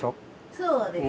そうです。